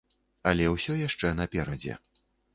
Але ўсё яшчэ наперадзе.